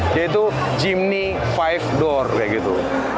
yaitu jimmy lima door kayak gitu